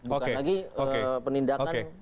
bukan lagi penindakan